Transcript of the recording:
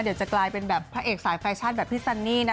เดี๋ยวจะกลายเป็นแบบพระเอกสายแฟชั่นแบบพี่ซันนี่นะ